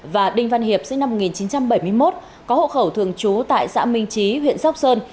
và đinh văn hiệp sinh năm một nghìn chín trăm bảy mươi một có hộ khẩu thường trú tại xã minh trí huyện sóc sơn